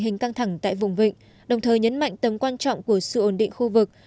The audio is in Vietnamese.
hình căng thẳng tại vùng vịnh đồng thời nhấn mạnh tầm quan trọng của sự ổn định khu vực